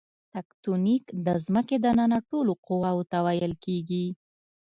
تکتونیک د ځمکې دننه ټولو قواوو ته ویل کیږي.